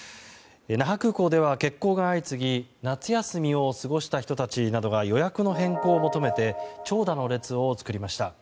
那覇空港では欠航が相次ぎ夏休みを過ごした人たちなどが予約の変更を求めて長蛇の列を作りました。